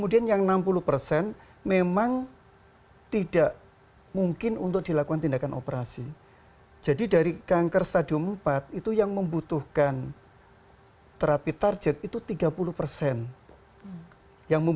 iya kita dasarnya adalah ilmiah ya